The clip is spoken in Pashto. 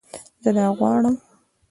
زه دا غواړم